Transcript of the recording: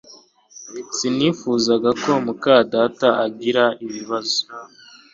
Sinifuzaga ko muka data agira ibibazo